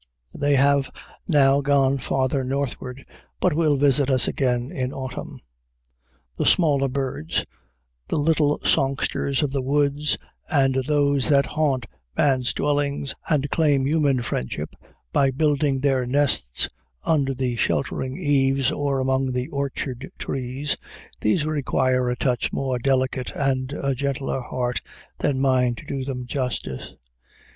They have now gone farther northward, but will visit us again in autumn. The smaller birds the little songsters of the woods, and those that haunt man's dwellings and claim human friendship by building their nests under the sheltering eaves or among the orchard trees these require a touch more delicate and a gentler heart than mine to do them justice.